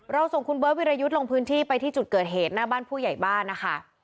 ส่งคุณเบิร์ตวิรยุทธ์ลงพื้นที่ไปที่จุดเกิดเหตุหน้าบ้านผู้ใหญ่บ้านนะคะ